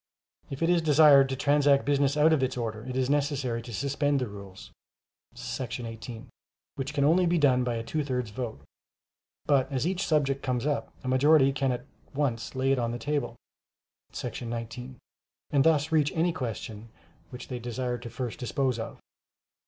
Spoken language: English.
If it is desired to transact business out of its order, it is necessary to suspend the rules [§ 18], which can only be done by a two thirds vote; but as each subject comes up, a majority can at once lay it on the table [§ 19], and thus reach any question which they desire to first dispose of.